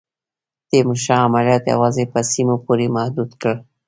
تیمورشاه عملیات یوازي په سیمو پوري محدود کړل.